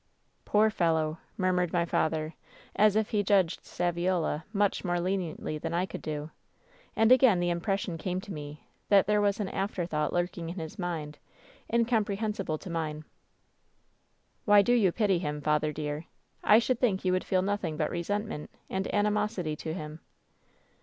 " Toor fellow I^ murmured my father, as if he judged Saviola much more leniently than I could do. And again the impression came to me that there was an after thought lurking in his mind, incomprehensible to mine. " 'Why do you pity him, father dear ? I should think you would feel nothing but resentment and animosity to him.'